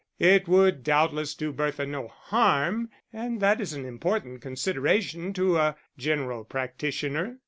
It would doubtless do Bertha no harm, and that is an important consideration to a general practitioner.